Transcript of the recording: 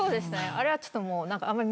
あれはちょっともうあんまり。